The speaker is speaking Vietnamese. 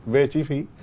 về chi phí